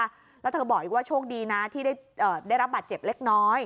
แล้วเธอบอกอีกว่าโชคดีนะที่ได้รับบาดเจ็บเล็กน้อย